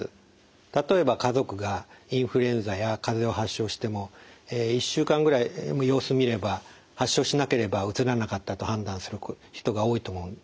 例えば家族がインフルエンザやかぜを発症しても１週間ぐらい様子見れば発症しなければうつらなかったと判断する人が多いと思います。